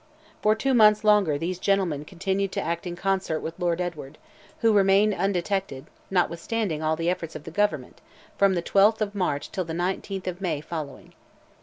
For two months longer these gentlemen continued to act in concert with Lord Edward, who remained undetected, notwithstanding all the efforts of Government, from the 12th of March till the 19th of May following.